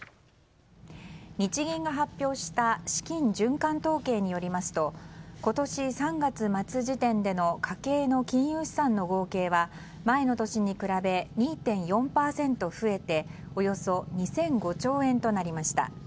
日銀が発表した資金循環統計によりますと今年３月末時点での家計の金融資産の合計は前の年に比べ２．４％増えておよそ２００５兆円となりました。